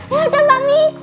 yaudah mbak mici